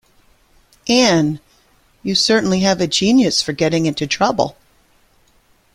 Anne, you certainly have a genius for getting into trouble.